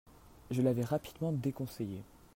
Je l'avais rapidement déconseillé.